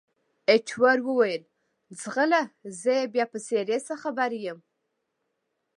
ایټور وویل، ځغله! زه یې بیا په څېرې څه خبر یم؟